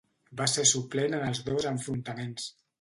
Va ser suplent en els dos enfrontaments.